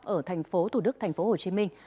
ở thành phố thủ đức thành phố hồ chí minh